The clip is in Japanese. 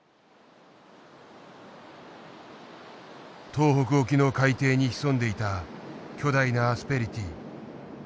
東北沖の海底に潜んでいた巨大なアスペリティー。